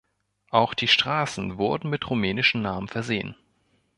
Auch die Straßen wurden mit rumänischen Namen versehen.